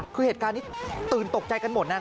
คือเหตุการณ์นี้ตื่นตกใจกันหมดนะ